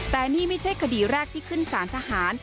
แต่นี่ไม่ใช่คดีแรกที่ขึ้นสารทหาร